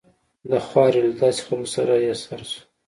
د خوارې له داسې خلکو سره يې سر شو.